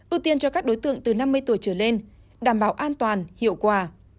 ưu tiên cho các đối tượng từ năm mươi tuổi trở lên đảm bảo an toàn hiệu quả